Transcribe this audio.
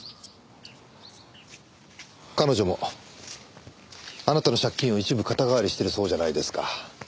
彼女もあなたの借金を一部肩代わりしてるそうじゃないですか。